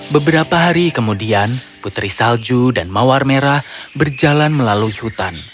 beberapa hari kemudian putri salju dan mawar merah berjalan melalui hutan